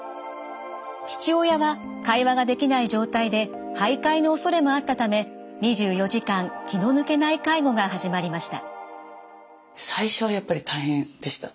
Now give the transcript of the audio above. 父親は会話ができない状態で徘徊のおそれもあったため２４時間気の抜けない介護が始まりました。